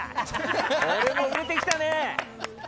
俺も売れてきたね！